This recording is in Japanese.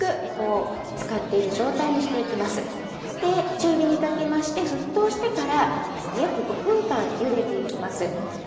中火にかけまして沸騰してから約５分間ゆでていきます。